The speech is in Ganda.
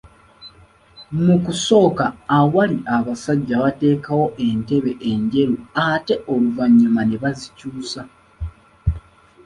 Mu kusooka awali abasajja baateekawo entebe enjeru ate oluvannyuma ne bazikyusa.